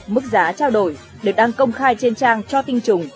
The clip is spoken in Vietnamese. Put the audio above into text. mức giá trao đổi được đăng công khai trên trang cho tinh trùng